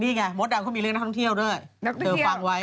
นี่ไงมสตามเขามีเรื่องนักท่องเที่ยวด้วย